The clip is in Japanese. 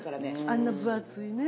あんな分厚いね。